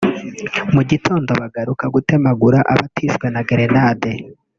mu gitondo bagaruka gutemagura abatishwe na grenade